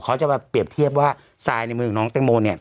เขาจะมาเปรียบเทียบว่าทรายในมือของน้องแตงโมเนี่ย